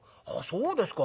そうですか。